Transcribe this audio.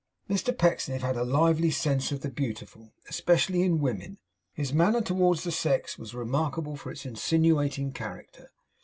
Mr Pecksniff had a lively sense of the Beautiful; especially in women. His manner towards the sex was remarkable for its insinuating character.